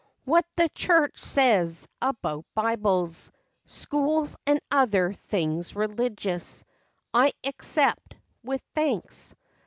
What the church says about Bibles, Schools, and other things religious, I accept, with thanks.